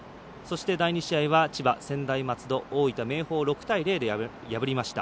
第２試合は千葉、専大松戸大分、明豊を６対０で破りました。